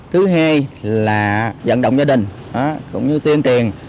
thứ hai là dẫn động gia đình cũng như tuyên truyền